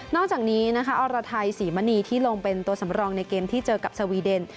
จากนี้นะคะอรไทยศรีมณีที่ลงเป็นตัวสำรองในเกมที่เจอกับสวีเดน